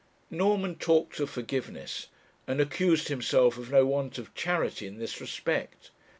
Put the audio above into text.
Norman talked of forgiveness, and accused himself of no want of charity in this respect.